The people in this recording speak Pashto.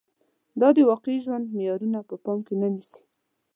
دا د واقعي ژوند معيارونه په پام کې نه نیسي